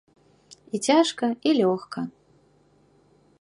І цяжка і лёгка.